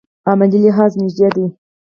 عملي لحاظ نژدې دي.